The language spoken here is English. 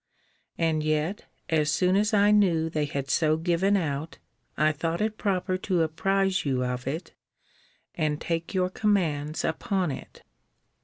And yet, as soon as I knew they had so given out, I thought it proper to apprize you of it, and take your commands upon it.